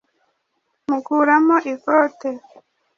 mukuramo ikote